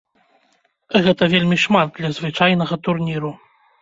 Гэта вельмі шмат для звычайнага турніру.